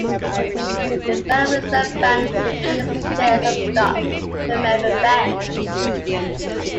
The Federal Reserve Banks issue shares of stock to member banks.